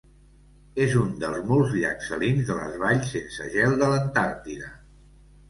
És un dels molts llacs salins de les valls sense gel de l'Antàrtida.